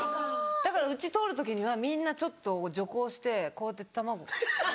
だからうち通る時にはみんなちょっと徐行してこうやって卵。